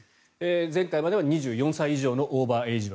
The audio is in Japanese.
前回までは２４歳以上のオーバーエイジ枠。